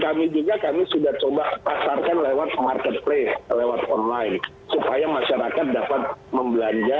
kami juga kami sudah coba pasarkan lewat marketplace lewat online supaya masyarakat dapat membelanja